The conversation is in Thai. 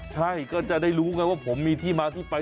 ใช่ก็จะได้รู้ไงว่าผมมีที่มาที่ไป